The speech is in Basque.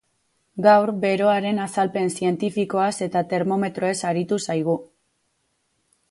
Gaur, beroaren azalpen zientifikoaz eta termometroez aritu zaigu.